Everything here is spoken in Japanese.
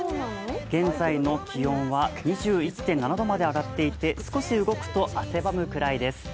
現在の気温は２１．７度まで上がっていて少し動くと、汗ばむくらいです。